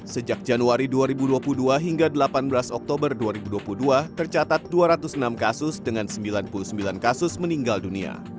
sejak januari dua ribu dua puluh dua hingga delapan belas oktober dua ribu dua puluh dua tercatat dua ratus enam kasus dengan sembilan puluh sembilan kasus meninggal dunia